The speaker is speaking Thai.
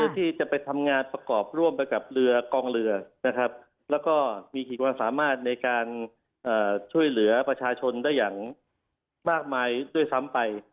ที่จะไปทำงานประกอบร่วมไปกับเรือกองเรือนะครับแล้วก็มีขีดความสามารถในการช่วยเหลือประชาชนได้อย่างมากมายด้วยซ้ำไป